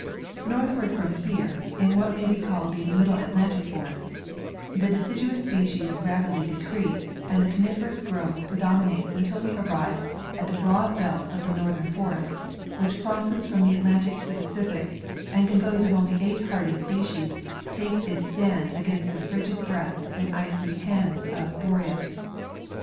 Northward from here, in what may be called the " middle Atlantic forest," the deciduous species rapidly de crease and the coniferous growth predominates until we arrive at the broad belt of the northern forest, which, crossing from the Atlantic to the Pacific and composed of only eight hardy species, takes its stand against the frigid breath and icy hands of Boreas.